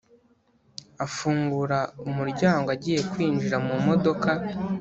afungura umuryango agiye kwinjira mu modoka